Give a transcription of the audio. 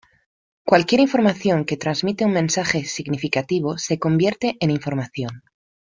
Cualquier información que transmite un mensaje significativo se convierte en información.